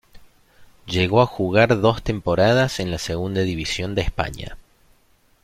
Llegó a jugar dos temporadas en la Segunda División de España.